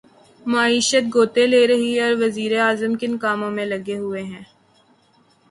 معیشت غوطے لے رہی ہے اور وزیر اعظم کن کاموں میں لگے ہوئے ہیں۔